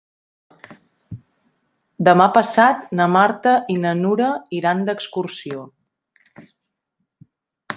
Demà passat na Marta i na Nura iran d'excursió.